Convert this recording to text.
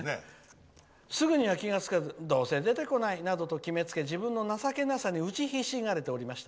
「すぐには気が付かずどうせ出てこないなどと決め付け自分の情けなさに打ちひしがれていました。